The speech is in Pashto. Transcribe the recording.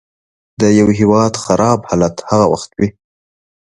د یوه هیواد خراب حالت هغه وخت وي.